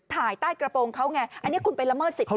ถ่ายใต้กระโปรงเขาไงอันนี้คุณไปละเมิดสิทธิ